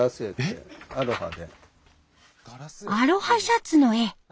アロハシャツの絵。